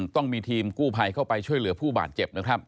ต้องมีทีมกู้ภัยเข้าไปช่วยเหลือผู้บาดเจ็บนะครับ